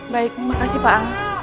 baik terima kasih pak ang